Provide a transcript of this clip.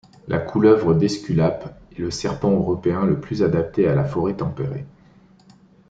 La couleuvre d'Esculape est le serpent européen le plus adapté à la forêt tempérée.